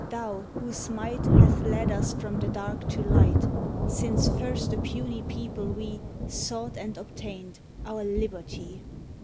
Thou whose might Hath led us from the dark to light, Since first a puny people we Sought and obtained our Liberty!